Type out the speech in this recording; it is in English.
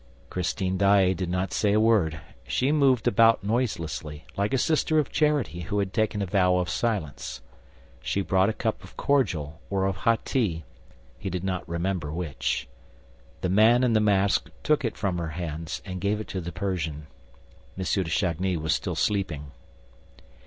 Christine Daae did not say a word: she moved about noiselessly, like a sister of charity, who had taken a vow of silence. She brought a cup of cordial, or of hot tea, he did not remember which. The man in the mask took it from her hands and gave it to the Persian. M. de Chagny was still sleeping.